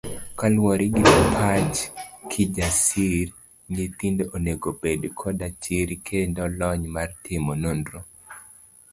Kaluwore gi pach Kijasir, nyithindo onego obed koda chir kendo lony mar timo nonro.